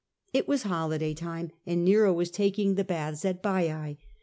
It was holiday time, and Nero was taking the baths at Bake.